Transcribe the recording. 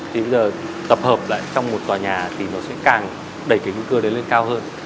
thì bây giờ tập hợp lại trong một tòa nhà thì nó sẽ càng đẩy cái nguy cơ đấy lên cao hơn